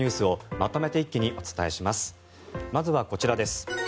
まずはこちらです。